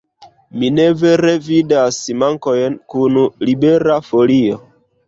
Mi ne vere vidas mankojn kun Libera Folio.